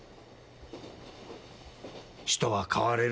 人は変われる。